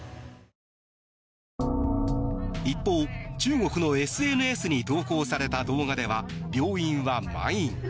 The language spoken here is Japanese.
一方、中国のＳＮＳに投稿された動画では病院は満員。